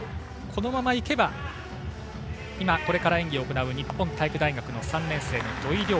このままいけば今これから演技を行う日本体育大学３年生の土井陵輔。